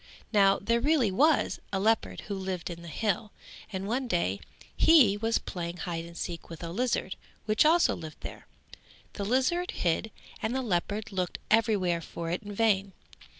Now there really was a leopard who lived in the hill and one day he was playing hide and seek with a lizard which also lived there. The lizard hid and the leopard looked every where for it in vain.